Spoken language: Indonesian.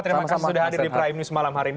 terima kasih sudah hadir di prime news malam hari ini